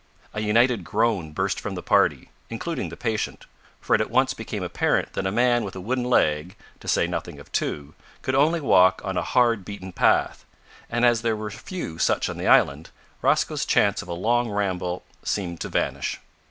A united groan burst from the party, including the patient, for it at once became apparent that a man with a wooden leg to say nothing of two could only walk on a hard beaten path, and as there were few such in the island, Rosco's chance of a long ramble seemed to vanish.